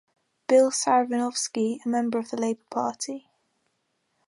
Bill Saravinovski, a member of the Labor Party.